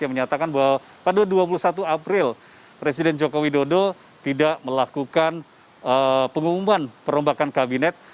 yang menyatakan bahwa pada dua puluh satu april dua ribu dua puluh satu presiden joko widodo tidak melakukan pengumuman perubahan kabinet